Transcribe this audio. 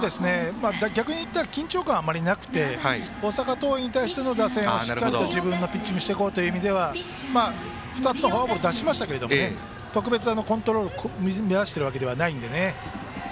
逆にいったら緊張感はあまりなくて大阪桐蔭に対しての打線にしっかりと自分のピッチングをしていこうということで２つのフォアボールを出しましたが特別、コントロールを乱しているわけではないので。